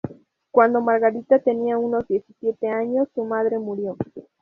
Cuando Margarita tenía unos diecisiete años, su madre murió.